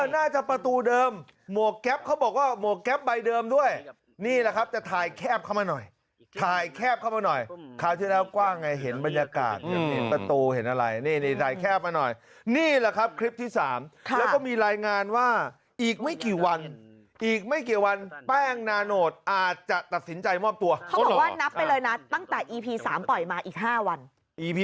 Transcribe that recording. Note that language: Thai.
น่าจะประตูเดิมหมวกแก๊ปเขาบอกว่าหมวกแก๊ปใบเดิมด้วยนี่แหละครับจะถ่ายแคบเข้ามาหน่อยถ่ายแคบเข้ามาหน่อยคราวที่แล้วกว้างไงเห็นบรรยากาศเห็นประตูเห็นอะไรนี่นี่ถ่ายแคบมาหน่อยนี่แหละครับคลิปที่๓แล้วก็มีรายงานว่าอีกไม่กี่วันอีกไม่กี่วันแป้งนาโนตอาจจะตัดสินใจมอบตัวเขาบอกว่านับไปเลยนะตั้งแต่อีพีสามปล่อยมาอีก๕วัน